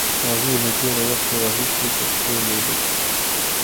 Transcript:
هغوی له ډېر وخت راهیسې پښتو لولي.